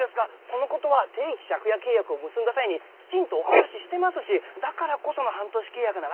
このことは定期借家契約を結んだ際にきちんとお話ししてますしだからこその半年契約なわけですから。